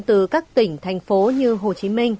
từ các tỉnh thành phố như hồ chí minh